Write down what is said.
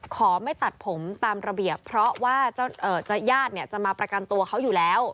ขอไม่ตัดผมตามระเบียบเพราะว่าญาติจะมาประกันตัวเขาอยู่แล้ว